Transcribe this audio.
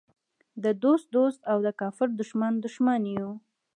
د دوست دوست او د کافر دښمن دښمن یو.